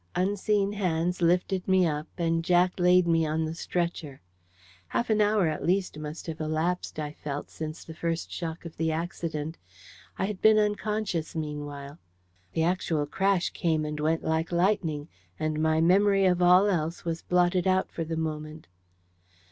Unseen hands lifted me up, and Jack laid me on the stretcher. Half an hour at least must have elapsed, I felt since the first shock of the accident. I had been unconscious meanwhile. The actual crash came and went like lightning. And my memory of all else was blotted out for the moment.